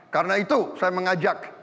karena itu saya mengajak